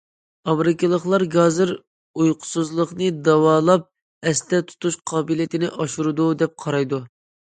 ئامېرىكىلىقلار گازىر ئۇيقۇسىزلىقنى داۋالاپ، ئەستە تۇتۇش قابىلىيىتىنى ئاشۇرىدۇ دەپ قارايدۇ.